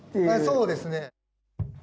そうですね。